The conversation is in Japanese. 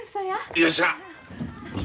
よっしゃ。